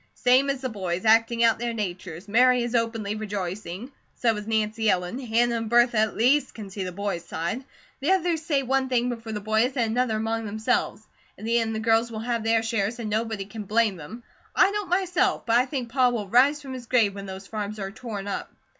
"Same as the boys, acting out their natures. Mary is openly rejoicing. So is Nancy Ellen. Hannah and Bertha at least can see the boys' side. The others say one thing before the boys and another among themselves. In the end the girls will have their shares and nobody can blame them. I don't myself, but I think Pa will rise from his grave when those farms are torn up."